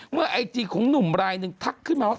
ไอจีของหนุ่มรายหนึ่งทักขึ้นมาว่า